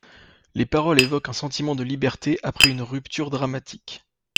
Les paroles évoquent un sentiment de liberté après une rupture dramatique.